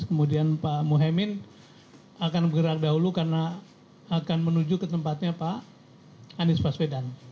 kemudian pak muhaymin akan bergerak dahulu karena akan menuju ke tempatnya pak anies baswedan